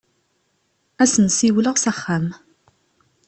Ad as-n-siwleɣ s axxam.